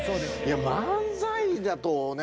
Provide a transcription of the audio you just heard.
漫才だとね